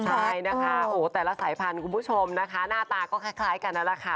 ใช่นะคะโอ้แต่ละสายพันธุ์คุณผู้ชมนะคะหน้าตาก็คล้ายกันนั่นแหละค่ะ